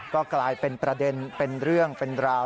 ก็กลายเป็นประเด็นเป็นเรื่องเป็นราว